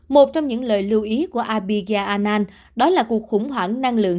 một trong những lời lưu ý của abhigya anand đó là cuộc khủng hoảng năng lượng